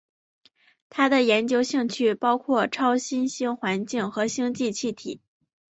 他的研究兴趣包括超新星环境和星际气体。